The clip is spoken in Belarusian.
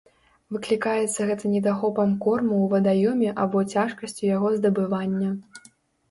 Выклікаецца гэта недахопам корму ў вадаёме або цяжкасцю яго здабывання.